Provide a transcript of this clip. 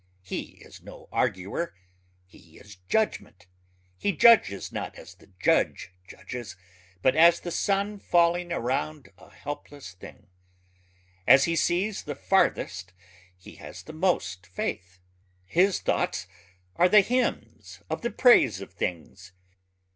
He is no arguer ... he is judgment. He judges not as the judge judges but as the sun falling around a helpless thing. As he sees the farthest he has the most faith. His thoughts are the hymns of the praise of things.